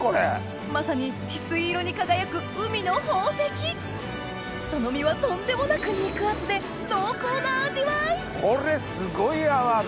まさに翡翠色に輝くその身はとんでもなく肉厚で濃厚な味わいこれすごいアワビ！